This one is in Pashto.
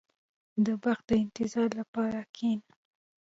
• د بخت د انتظار لپاره کښېنه.